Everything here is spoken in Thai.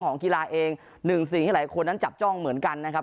กีฬาเองหนึ่งสิ่งที่หลายคนนั้นจับจ้องเหมือนกันนะครับ